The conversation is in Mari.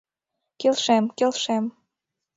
Келшем, келшем.